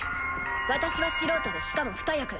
私は素人でしかもふた役。